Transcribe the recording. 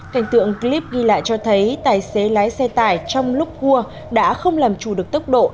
cảnh tượng clip ghi lại cho thấy tài xế lái xe tải trong lúc cua đã không làm trù được tốc độ